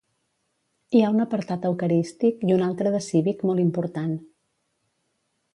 Hi ha un apartat eucarístic i un altre de cívic molt important.